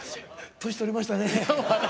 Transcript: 年とりましたね。